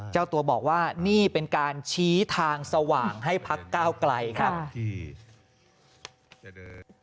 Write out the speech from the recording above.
เจ้าตัวบอกว่านี่เป็นการชี้ทางสว่างให้พักก้าวไกลครับ